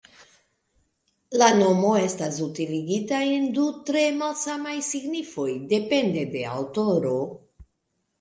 La nomo estas utiligita en du tre malsamaj signifoj depende de aŭtoro.